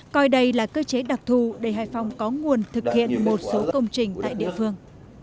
coi đây là cơ chế đặc thù để hải phòng có nguồn thực hiện một số công trình tại địa phương